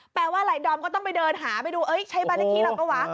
แปลว่าไหล่ดอมก็ต้องไปเดินหาไปดูใช้บ้านเล็กที่หรือเปล่า